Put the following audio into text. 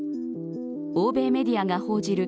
欧米メディアが報じる